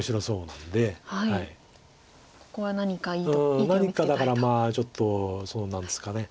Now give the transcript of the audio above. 何かだからまあちょっとそうなんですかね。